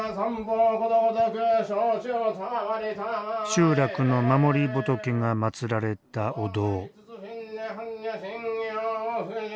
集落の守り仏がまつられたお堂。